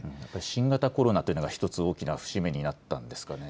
新型コロナというのが一つ大きな節目になったんですかね。